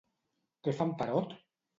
Què fa en Perot?